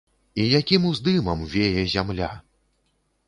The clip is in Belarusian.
І якім уздымам вее зямля!